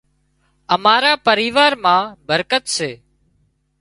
امارا پريوا مان برڪت سي